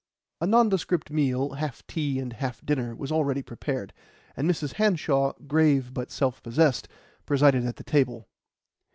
A nondescript meal, half tea and half dinner, was already prepared, and Mrs. Hanshaw, grave but self possessed, presided at the table.